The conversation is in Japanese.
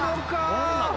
そうなの？